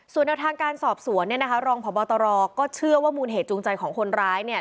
ส่วนแนวทางการสอบสวนเนี่ยนะคะรองพบตรก็เชื่อว่ามูลเหตุจูงใจของคนร้ายเนี่ย